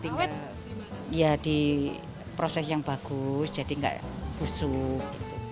nanti ya di proses yang bagus jadi nggak busuk